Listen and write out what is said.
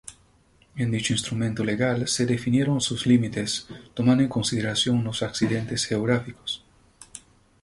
En dicho instrumento legal se definieron sus límites tomando en consideración los accidentes geográficos.